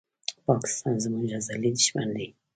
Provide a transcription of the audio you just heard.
پاکستان زموږ ازلي دښمن دی